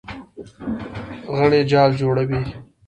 غڼې جال جوړوي.